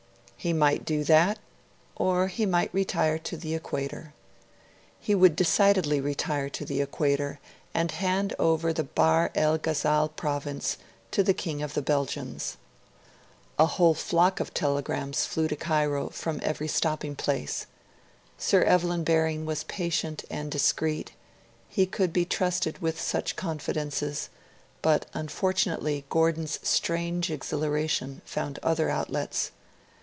He might do that; or he might retire to the Equator. He would decidedly retire to the Equator, and hand over the Bahr el Ghazal province to the King of the Belgians. A whole flock of telegrams flew to Cairo from every stopping place. Sir Evelyn Baring was patient and discrete; he could be trusted with such confidences; but unfortunately Gordon's strange exhilaration found other outlets.